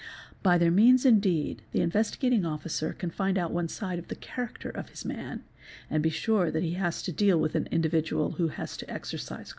By their means indeed the Investigating Officer can find out one side of the character of his man —''» and be sure that he has to deal with an individual who has to exercise.